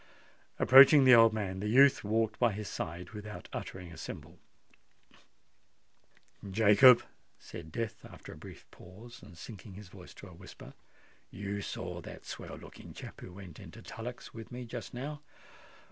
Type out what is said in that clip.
Approaching the old man, the youth walked by his side without uttering a syllable. "Jacob," said Death, after a brief pause, and sinking his voice to a whisper, "you saw that swell looking chap who went into Tullock's with me just now.